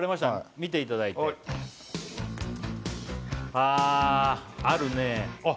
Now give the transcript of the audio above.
見ていただいてあああるねえあっ